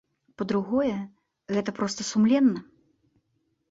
Па-другое, гэта проста сумленна.